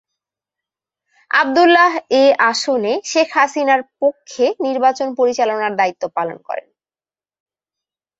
আবদুল্লাহ এ আসনে শেখ হাসিনার পক্ষে নির্বাচন পরিচালনার দায়িত্ব পালন করেন।